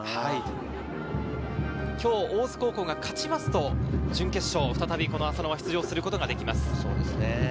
今日は大津高校が勝ちますと準決勝、再び浅野が出場することができます。